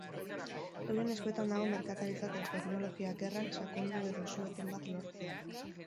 Euren eskuetan dago merkataritza eta teknologia gerran sakondu edo su eten bat lortzea.